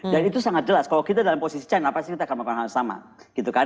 dan itu sangat jelas kalau kita dalam posisi china pasti kita akan melakukan hal yang sama